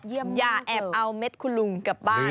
อย่าแอบเอาเม็ดคุณลุงกลับบ้าน